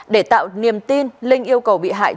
để tạo niềm tin linh yêu cầu bị hại